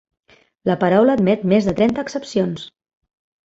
La paraula admet més de trenta accepcions.